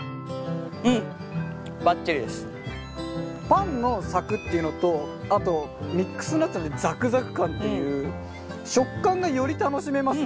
パンのサクっていうのとあとミックスナッツのザクザク感という食感がより楽しめますね